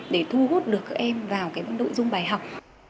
để thu hút được các em vào cái nội dung bài học